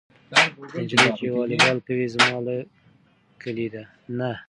دا نجلۍ چې والیبال کوي زما له کلي ده.